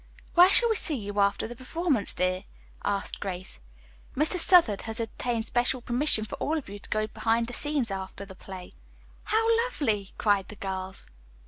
"Where shall we see you after the performance, dear?" asked Grace. "Mr. Southard has obtained special permission for all of you to go behind the scenes after the play." "How lovely!" cried the girls.